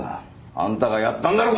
あんたが殺ったんだろう